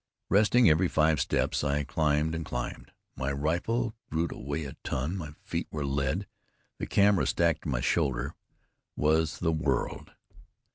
Resting every five steps, I climbed and climbed. My rifle grew to weigh a ton; my feet were lead; the camera strapped to my shoulder was the world.